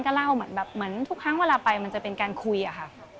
ก็เล่าเหมือนแบบเหมือนทุกครั้งเวลาไปมันจะเป็นการคุยอะค่ะ